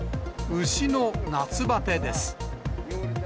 牛の夏ばてです。